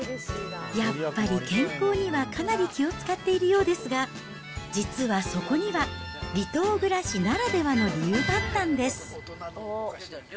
やっぱり健康にはかなり気を遣っているようですが、実はそこには、離島暮らしならではの理由があったんです。